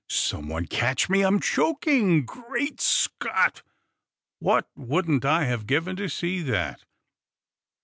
"Some one catch me! I'm choking! Great Scott, what wouldn't I have given to see that?